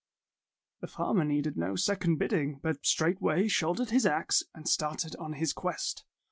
'' The farmer needed no second bidding, but straightway shouldered his axe, and started on his quest.